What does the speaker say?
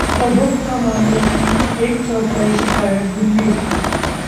उपभोक्ता मामले की एक चौथाई शिकायत दिल्ली से